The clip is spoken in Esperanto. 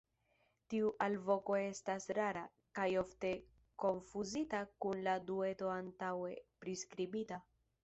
Tiu alvoko estas rara, kaj ofte konfuzita kun la 'dueto' antaŭe priskribita.